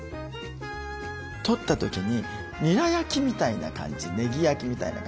取った時ににら焼きみたいな感じねぎ焼きみたいな感じ